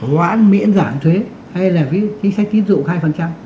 hoãn miễn giảm thuế hay là chính sách tiết dụng hai